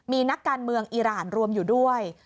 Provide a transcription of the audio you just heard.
มีนักการเมืองอีรานรวมอยู่ด้วย